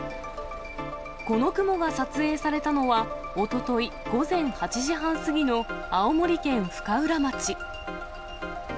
この雲が撮影されたのは、おととい午前８時半過ぎの青森県深浦町。